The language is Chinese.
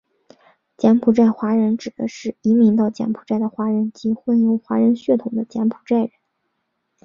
柬埔寨华人指的是移民到柬埔寨的华人及混有华人血统的柬埔寨人。